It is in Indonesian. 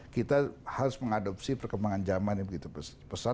kita harus mengadopsi perkembangan zaman yang begitu besar